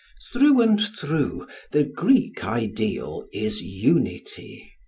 Through and through, the Greek ideal is Unity.